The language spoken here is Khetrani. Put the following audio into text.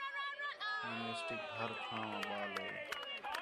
یونیورسٹیک ہر تھاں واں ٻال آہے